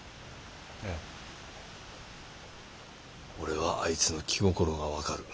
俺はあいつの気心が分かる。